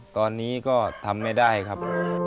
ตอนนี้ก็ทำไม่ได้ครับ